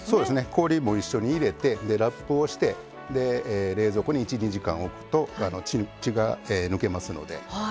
氷も一緒に入れてラップをして冷蔵庫に１２時間、置くと血が抜けますので。